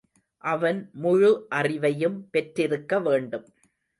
அவன் முழு அறிவையும் பெற்றிருக்க வேண்டும்.